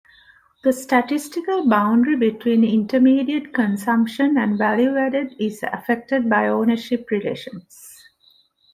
The statistical boundary between intermediate consumption and value added is affected by ownership relations.